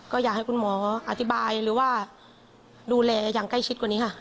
ก็อยากให้คุณหมออธิบายหรือว่าดูแลอย่างใกล้ชิดกว่านี้ค่ะ